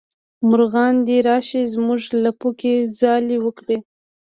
مارغان دې راشي زمونږ لپو کې ځالې وکړي